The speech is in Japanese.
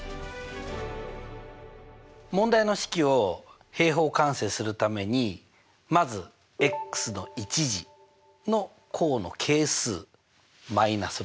問題の式を平方完成するためにまずの１次の項の係数−６ねこの−６に注目します。